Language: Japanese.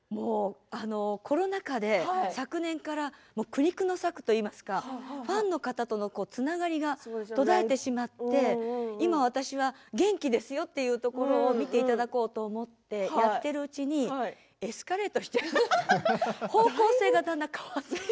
コロナ禍で昨年から苦肉の策といいますかファンの方とのつながりが途絶えてしまって今、私は元気ですよというところを見ていただこうと思ってやっているうちにエスカレートししちゃって方向性が。